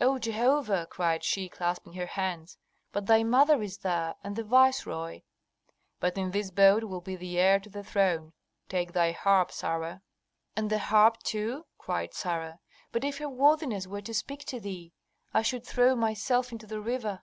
"O Jehovah!" cried she, clasping her hands. "But thy mother is there, and the viceroy!" "But in this boat will be the heir to the throne. Take thy harp, Sarah." "And the harp, too?" cried Sarah. "But if her worthiness were to speak to thee! I should throw myself into the river."